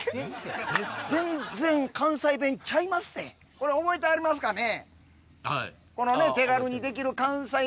これ覚えてはりますかね？